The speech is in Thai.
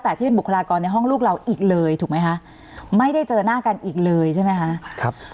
แต่ที่เป็นบุคลากรในห้องลูกเราอีกเลยถูกไหมคะไม่ได้เจอหน้ากันอีกเลยใช่ไหมคะครับ